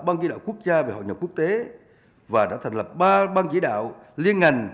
ban chỉ đạo quốc gia về hội nhập quốc tế và đã thành lập ba ban chỉ đạo liên ngành